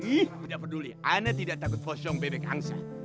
ih tidak peduli ana tidak takut fosyong bebek angsa